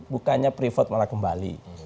bukannya privat malah kembali